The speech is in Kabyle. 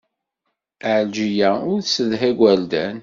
Ɛelǧiya ur tessedha igerdan.